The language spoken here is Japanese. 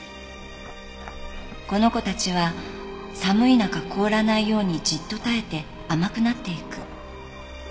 「この子たちは寒い中凍らないようにじっと耐えて甘くなっていく」